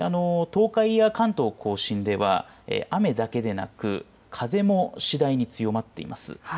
東海や関東甲信では雨だけでなく風も次第に強まっています。